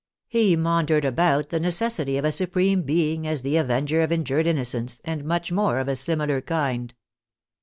He maundered about the necessity of a Supreme Being as the avenger of in jured innocence, and much more of a similar kind.